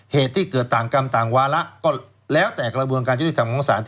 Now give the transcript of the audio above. เหตุที่เกิดต่างกรรมต่างวาระแร้วแต่กระเมืองการจุดเข้าศรีของศาล